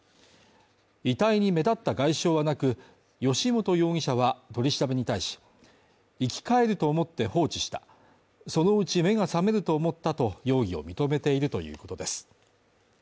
遺体に目立った外傷はなく、吉本容疑者は取り調べに対し、生き返ると思って放置したそのうち目が覚めると思ったと容疑を認めているということです。